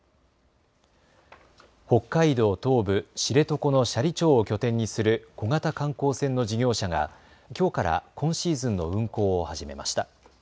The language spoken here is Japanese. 北海道東部、知床の斜里町を拠点にする小型観光船の事業者がきょうから今シーズンの運航を始めました。